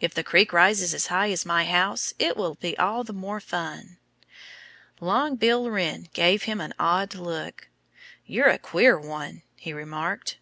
If the creek rises as high as my house it will be all the more fun." Long Bill Wren gave him an odd look. "You're a queer one," he remarked.